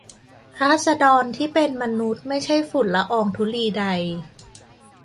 ราษฎรที่เป็นมนุษย์ไม่ใช่ฝุ่นละอองธุลีใด